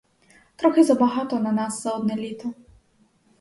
Трохи забагато на нас за одне літо.